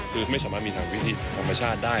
คือไม่สามารถมีทางวิทยาศาสตร์ได้